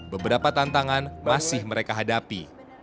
beberapa tantangan masih mereka hadapi